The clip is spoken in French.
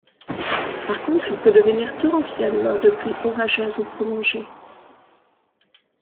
Par contre il peut devenir torrentiel lors de pluies orageuses ou prolongées.